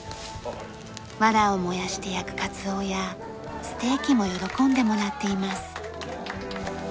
藁を燃やして焼くカツオやステーキも喜んでもらっています。